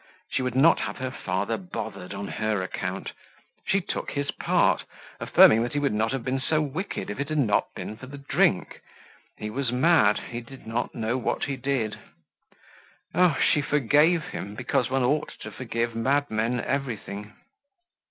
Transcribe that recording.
She would not have her father bothered on her account. She took his part, affirming that he would not have been so wicked if it had not been for the drink. He was mad, he did not know what he did. Oh! she forgave him, because one ought to forgive madmen everything.